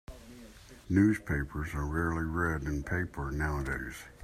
Newspapers are rarely read in paper nowadays.